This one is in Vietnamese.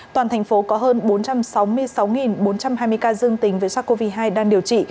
toàn thành phố có hơn bốn trăm sáu mươi sáu bốn trăm hai mươi ca dương tính với sars cov hai đang điều trị